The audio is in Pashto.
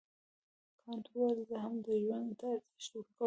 کانت وویل زه هم ژوند ته ارزښت ورکوم.